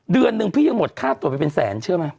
เดือนนึงพี่ยังหมดค่าตรวจไปเป็นแสนเชื่อไหม